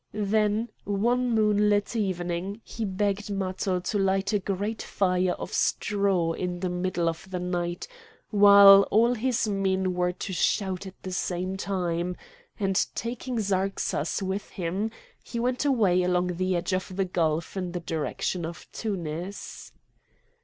Then one moonlight evening he begged Matho to light a great fire of straw in the middle of the night, while all his men were to shout at the same time; and taking Zarxas with him, he went away along the edge of the gulf in the direction of Tunis.